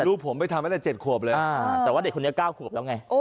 ลูกผมไปทำตั้งแต่๗ขวบเลยแต่ว่าเด็กคนนี้๙ขวบแล้วไง